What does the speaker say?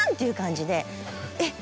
えっ！